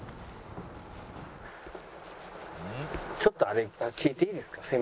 ちょっとあれ聞いていいですか？